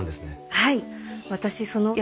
はい。